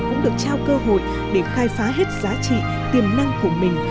cũng được trao cơ hội để khai phá hết giá trị tiềm năng của mình